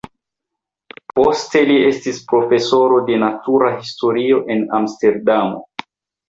Poste li estis profesoro de natura historio en Amsterdamo.